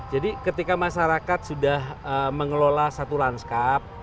jadi ketika masyarakat sudah mengelola satu landscape